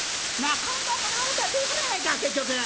カウンターかな思ったらテーブルやねん。